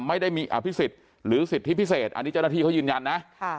ไม่ได้มีอภิษฎหรือสิทธิพิเศษอันนี้เจ้าหน้าที่เขายืนยันนะ